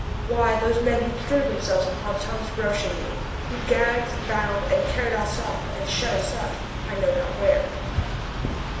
"Why, those men who threw themselves upon Thomas Roch and me, who gagged, bound, and carried us off and shut us up, I know not where?"